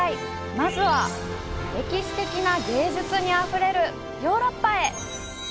まずは歴史的な芸術にあふれるヨーロッパへ！